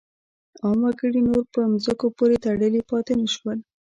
عام وګړي نور په ځمکو پورې تړلي پاتې نه شول.